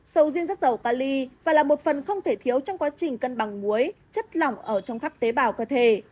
sầu riêng rất giàu ca ly và là một phần không thể thiếu trong quá trình cân bằng muối chất lỏng ở trong khắp tế bào cơ thể